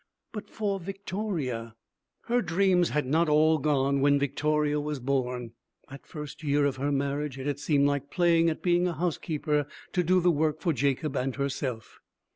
But for Victoria Her dreams had not all gone when Victoria was born. That first year of her marriage, it had seemed like playing at being a housekeeper to do the work for Jacob and herself.